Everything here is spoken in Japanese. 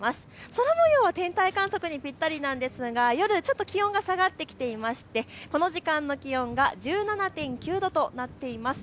空もようは天体観測にぴったりなんですが夜、ちょっと気温が下がってきていましてこの時間の気温が１７．９度となっています。